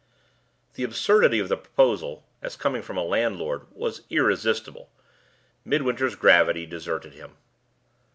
The absurdity of the proposal as coming from a landlord was irresistible. Midwinter's gravity deserted him.